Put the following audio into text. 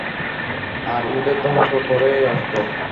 আর ওদের ধ্বংস করেই আসব।